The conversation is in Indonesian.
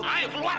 ayo keluar kamu